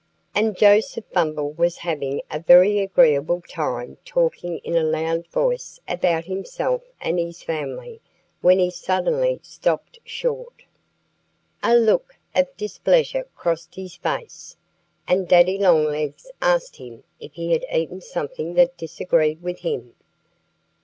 And Joseph Bumble was having a very agreeable time talking in a loud voice about himself and his family when he suddenly stopped short. A look of displeasure crossed his face. And Daddy Longlegs asked him if he had eaten something that disagreed with him.